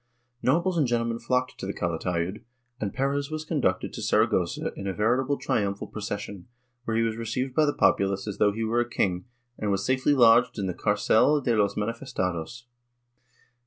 Nobles and gentlemen flocked to Calatayud, and Perez was conducted to Saragossa in a veritable triumphal procession, where he was received by the populace as though he were a king and was safely lodged in the cdrcel de los inanijesiados.